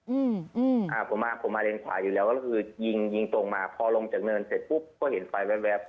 อืมอ่าผมมาผมมาเลนขวาอยู่แล้วก็คือยิงยิงตรงมาพอลงจากเนินเสร็จปุ๊บก็เห็นไฟแวบ